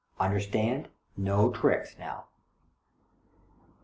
Understand? No tricks, now."